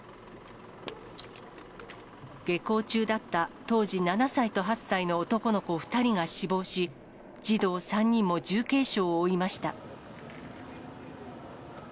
下校中だった当時７歳と８歳の男の子２人が死亡し、児童３人も重軽傷を負いました。